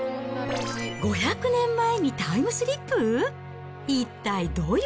５００年前にタイムスリップ？